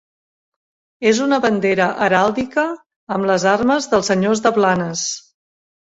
És una bandera heràldica amb les armes dels senyors de Blanes.